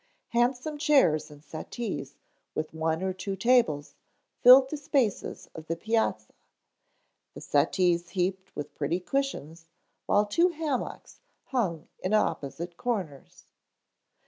Handsome chairs and settees with one or two tables filled the spaces of the piazza, the settees heaped with pretty cushions, while two hammocks hung in opposite corners.